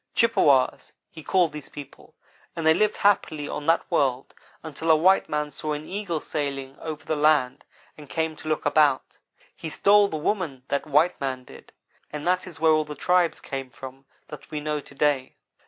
Chippewas, he called these people, and they lived happily on that world until a white man saw an Eagle sailing over the land and came to look about. He stole the woman that white man did; and that is where all the tribes came from that we know to day.